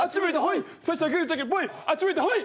あっち向いてホイ。